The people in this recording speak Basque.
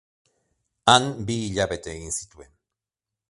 Han bi hilabete egin zituen.